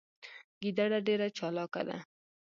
ګیدړه ډیره چالاکه ده